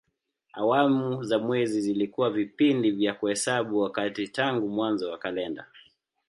Awamu za mwezi zilikuwa vipindi vya kuhesabu wakati tangu mwanzo wa kalenda.